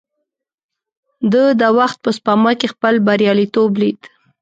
ده د وخت په سپما کې خپل برياليتوب ليد.